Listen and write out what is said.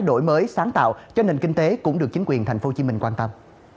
đổi mới sáng tạo cho nền kinh tế cũng được chính quyền thành phố hồ chí minh quan tâm